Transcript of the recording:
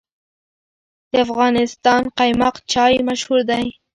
د افغانستان قیماق چای مشهور دی